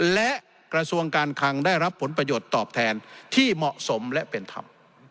และกระทรวงการคังได้รับผลประโยชน์ตอบแทนที่เหมาะสมและเป็นธรรม